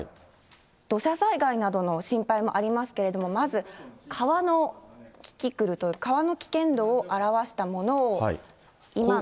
土砂災害などの心配もありますけれども、まず川の、キキクルという、川の危険度を表したものを、今の。